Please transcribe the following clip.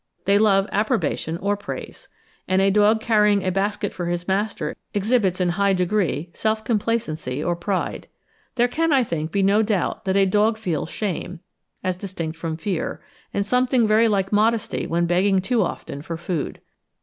They love approbation or praise; and a dog carrying a basket for his master exhibits in a high degree self complacency or pride. There can, I think, be no doubt that a dog feels shame, as distinct from fear, and something very like modesty when begging too often for food.